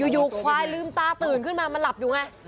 อยู่ควายลืมตาตื่นขึ้นมามันหลับอยู่ไง